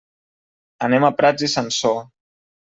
Anem a Prats i Sansor.